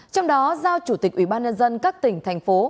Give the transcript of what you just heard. trong đó giao chủ tịch ubnd các tỉnh thành phố